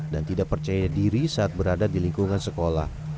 dan tidak percaya diri saat berada di lingkungan sekolah